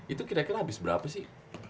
itu kira kira habis berapa sih